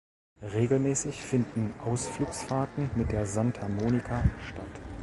Regelmäßig finden Ausflugsfahrten mit der "Santa Monika" statt.